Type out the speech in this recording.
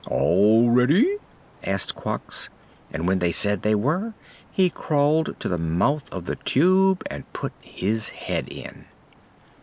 "All ready?" asked Quox, and when they said they were he crawled to the mouth of the Tube and put his head in.